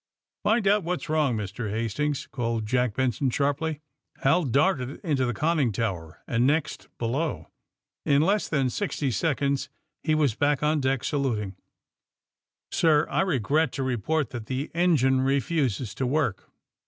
*^Pind out what's wrong, Mr. Hastings!" called Jack Benson sharply. Hal darted into the conning tower, and next below. In less than sixty seconds he was back on deck, saluting. 72 THE SUBMAEINE BOYS Sir, I regret to report that the engine re fuses to work.''